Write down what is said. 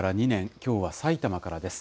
きょうは埼玉からです。